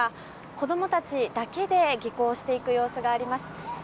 子供たちだけで下校していく様子があります。